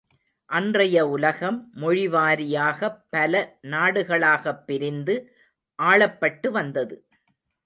அன்றைய உலகம் மொழிவாரியாகப் பல நாடுகளாகப் பிரிந்து ஆளப்பட்டு வந்தது.